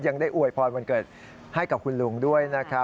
ยังได้อวยพรวันเกิดให้กับคุณลุงด้วยนะครับ